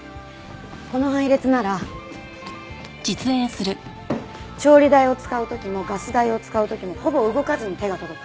この配列なら調理台を使う時もガス台を使う時もほぼ動かずに手が届く。